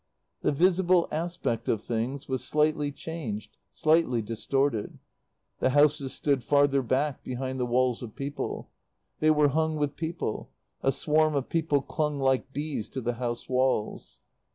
The visible aspect of things was slightly changed, slightly distorted. The houses stood farther back behind the walls of people; they were hung with people; a swarm of people clung like bees to the house walls.